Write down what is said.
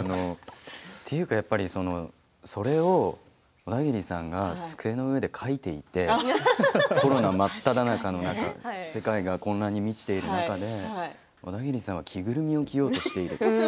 っていうか、やっぱりそれをオダギリさんが机の上で書いていてコロナ真っただ中の中世界が混乱に満ちている中でオダギリさんは着ぐるみを着ようとしている。